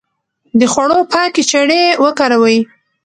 د خوړو پاکې چړې وکاروئ.